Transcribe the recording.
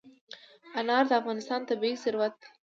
انار د افغانستان طبعي ثروت دی.